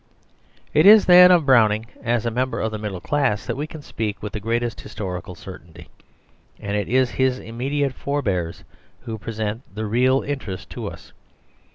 It is then of Browning as a member of the middle class, that we can speak with the greatest historical certainty; and it is his immediate forebears who present the real interest to us.